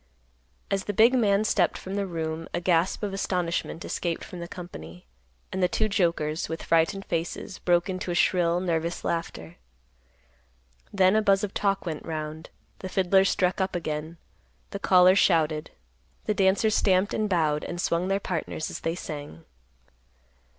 As the big man stepped from the room, a gasp of astonishment escaped from the company, and the two jokers, with frightened faces, broke into a shrill, nervous laughter. Then a buzz of talk went round; the fiddlers struck up again; the callers shouted; the dancers stamped, and bowed, and swung their partners as they sang.